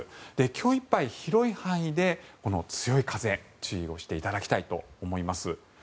今日いっぱい、広い範囲で強い風に注意をしていただきたいと思います。